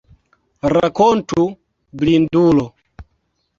Rakontu, blindulo!